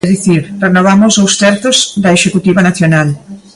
É dicir, renovamos dous terzos da Executiva Nacional.